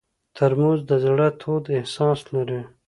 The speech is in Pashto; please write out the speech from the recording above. ترموز د زړه تود احساس لري.